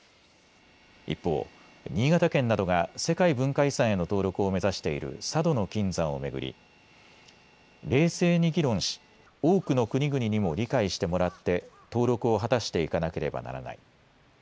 一方新潟県などが世界文化遺産への登録を目指している佐渡島の金山をめぐり冷静に議論し多くの国々にも理解してもらって登録を果たしていかなければならない。